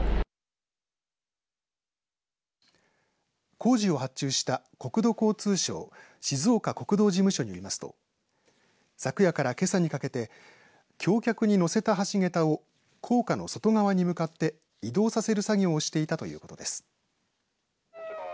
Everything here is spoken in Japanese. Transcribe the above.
工事を発注した国土交通省静岡国道事務所によりますと昨夜からけさにかけて橋脚に載せた橋桁を高架の外側に向かって移動させる作業をしていたということです。